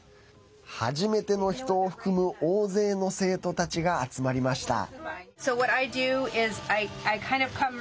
初めての人を含む大勢の生徒たちが集まりました。